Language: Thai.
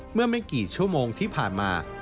เมื่อไม่กี่ชั่วโมงที่ผ่านมา